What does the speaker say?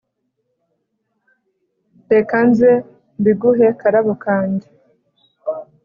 reka nze mbiguhe karabo kanjye,